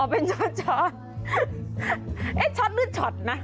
อ๋อเป็นช็อตช็อตมืดช็อตนะ